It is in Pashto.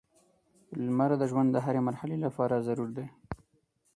• لمر د ژوند د هرې مرحلې لپاره ضروري دی.